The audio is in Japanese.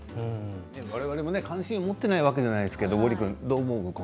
我々も関心を持っていないわけではないですけどゴリ君、どう思う？